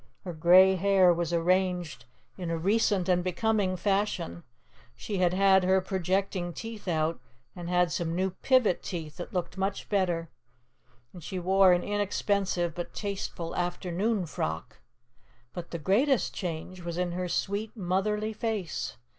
Her gray hair was arranged in a recent and becoming fashion; she had had her projecting teeth out and had some new pivot teeth that looked much better; and she wore an inexpensive but tasteful afternoon frock. But the greatest change was in her sweet motherly face.